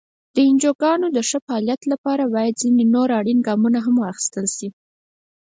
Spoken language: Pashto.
د انجوګانو د ښه فعالیت لپاره باید ځینې نور اړین ګامونه هم واخیستل شي.